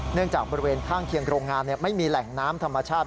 จากบริเวณข้างเคียงโรงงานไม่มีแหล่งน้ำธรรมชาติ